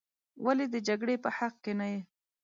ولې د جګړې په حق کې نه یې.